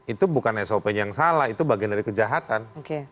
itu bukan sop nya yang salah itu bagian dari kejahatan